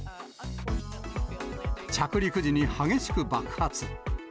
着陸時に激しく爆発。